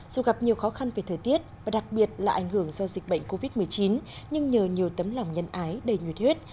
dù gặp nhiều khó khăn về thời tiết và đặc biệt là ảnh hưởng do dịch bệnh covid một mươi chín nhưng nhờ nhiều tấm lòng nhân ái đầy nguyệt huyết